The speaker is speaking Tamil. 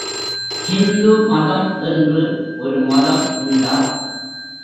ஹிந்து மதம் என்று ஒரு மதம் உண்டா?